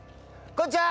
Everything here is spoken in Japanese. こんにちは！